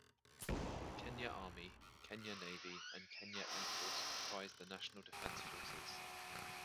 The Kenya Army, Kenya Navy, and Kenya Air Force comprise the national Defence Forces.